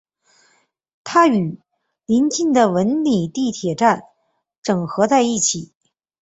它与临近的文礼地铁站整合在一起。